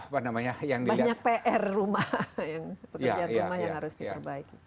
banyak pr rumah pekerjaan rumah yang harus diperbaiki